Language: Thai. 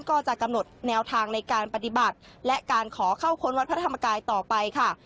ก็จะกำหนดแนวทางในการปฏิบัติและการขอเข้าค้นวัดพระธรรมกายต่อไปค่ะ